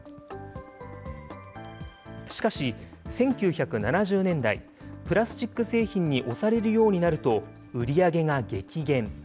しかし、１９７０年代、プラスチック製品におされるようになると、売り上げが激減。